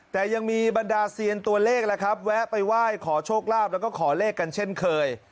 แต่ยังมีบรรดาเซียนตัวเลขแล้วครับแวะไปไหว้ขอโชคลาภแล้วก็ขอเลขกันเช่นเคย